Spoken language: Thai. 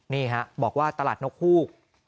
นี่ฮะบอกว่าตลาดนกฮูก